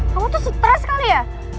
kamu tuh stres kali ya